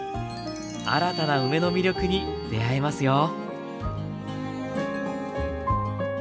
新たな梅の魅力に出会えますよ。